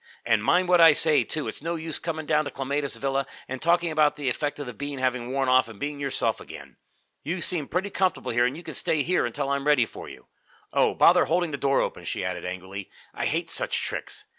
And mind what I say, too. It's no use coming down to Clematis Villa and talking about the effect of the bean having worn off and being yourself again. You seem pretty comfortable here and you can stay here until I'm ready for you. Oh, bother holding the door open!" she added, angrily. "I hate such tricks!